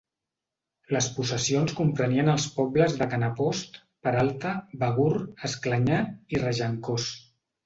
Les possessions comprenien els pobles de Canapost, Peralta, Begur, Esclanyà i Regencós.